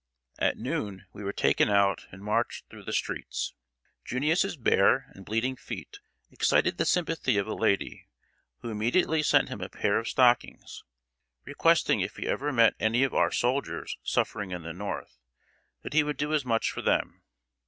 At noon we were taken out and marched through the streets. "Junius's" bare and bleeding feet excited the sympathy of a lady, who immediately sent him a pair of stockings, requesting if ever he met any of "our soldiers" suffering in the North, that he would do as much for them.